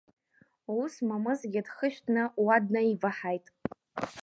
Ус Мамызгьы дхышәҭны уа днаиваҳаит.